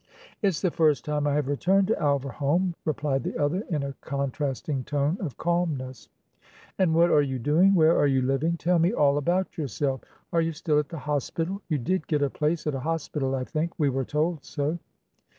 "It's the first time I have returned to Alverholme," replied the other, in a contrasting tone of calmness. "And what are you doing? Where are you living? Tell me all about yourself. Are you still at the hospital? You did get a place at a hospital, I think? We were told so."